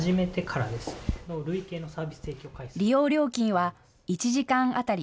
利用料金は１時間当たり